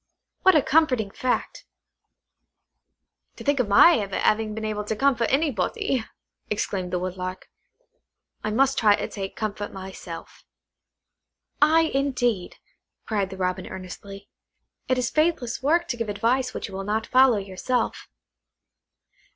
What a comforting fact!" "To think of my ever having been able to comfort anybody!" exclaimed the Woodlark. "I must try to take comfort myself." "Ay, indeed," cried the Robin earnestly; "it is faithless work to give advice which you will not follow yourself."